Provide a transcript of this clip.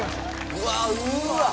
うわうわっ！